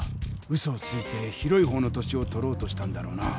うそをついて広い方の土地をとろうとしたんだろうな。